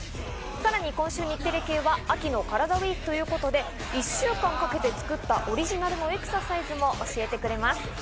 さらに今週日テレ系は秋のカラダＷＥＥＫということで１週間かけて作ったオリジナルエクササイズも教えてくれます。